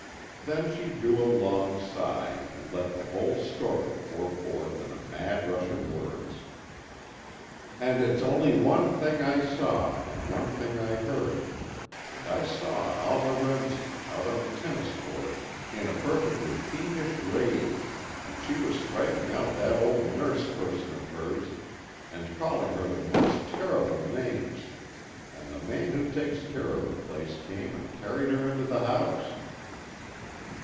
Then she drew a long sigh, and let the whole story pour forth in a mad rush of words. "And it's only one thing I saw, and one thing I heard. And I saw Alma Remsen, out on the tennis court, in a perfectly fiendish rage, and she was striking that old nurse person of hers and calling her the most terrible names, and the man who takes care of the place came and carried her into the house."